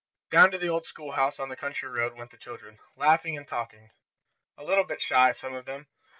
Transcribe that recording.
Down to the old schoolhouse, on the country road, went the children, laughing and talking, a little bit shy, some of them.